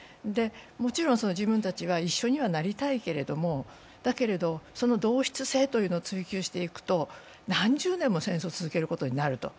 もちろん自分たちは一緒にはなりたいけれど、その同質性というものを追求していくと何十年も戦争を続けることになると。